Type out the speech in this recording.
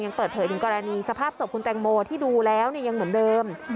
เปิดเผยถึงกรณีสภาพศพคุณแตงโมที่ดูแล้วยังเหมือนเดิม